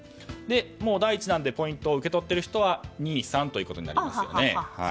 第１弾でポイントを受け取っている人は２、３ということになりますよね。